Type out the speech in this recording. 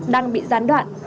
đang bị gián đoạn